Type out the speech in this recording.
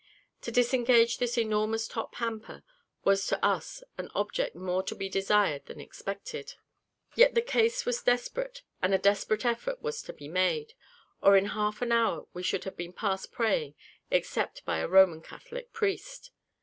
To disengage this enormous top hamper, was to us an object more to be desired than expected. Yet the case was desperate, and a desperate effort was to be made, or in half an hour we should have been past praying for, except by a Roman Catholic priest.